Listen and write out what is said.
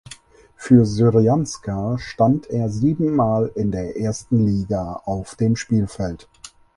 Für Syrianska stand er siebenmal in der ersten Liga auf dem Spielfeld.